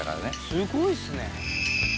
すごいっすね。